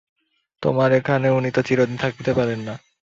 তোমার এখানে উনি তো চিরদিন থাকিতে পারেন না।